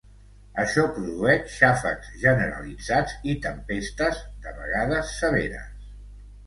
Això produeix xàfecs generalitzats i tempestes, de vegades severes.